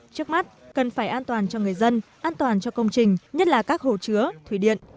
trước mắt cần phải an toàn cho người dân an toàn cho công trình nhất là các hồ chứa thủy điện